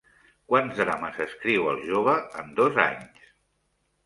Quants drames escriu el jove en dos anys?